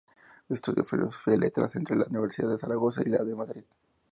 Estudió Filosofía y Letras entre la Universidad de Zaragoza y la de Madrid.